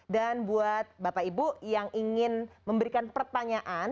dan buat bapak ibu yang ingin memberikan pertanyaan